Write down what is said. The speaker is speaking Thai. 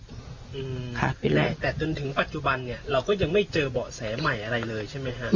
แต่จนถึงปัจจุบันเราก็ยังไม่เจอเบาะแสใหม่อะไรเลยใช่มั้ยฮะ